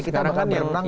kita bakal menangkan nanti